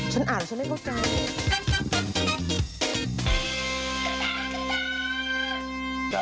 ฉันอ่านแล้วฉันไม่เข้าใจ